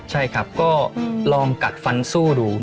ใช่ครับก็ลองกัดฟันสู้ดู